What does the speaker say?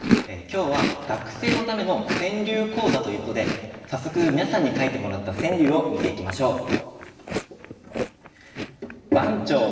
今日は学生のための川柳講座ということで早速皆さんに書いてもらった川柳を見ていきましょう。